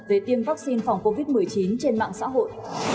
về tiêm vaccine phòng covid một mươi chín trên mạng xã hội